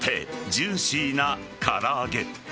ジューシーな唐揚げ。